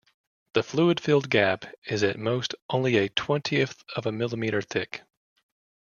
The fluid-filled gap is at most only a twentieth of a millimetre thick.